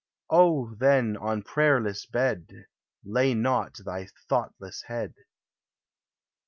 Oh, then, on prayerless bed Lay not thy thoughtless head.